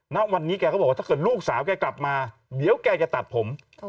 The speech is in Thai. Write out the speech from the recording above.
ณวันนี้แกก็บอกว่าถ้าเกิดลูกสาวแกกลับมาเดี๋ยวแกจะตัดผม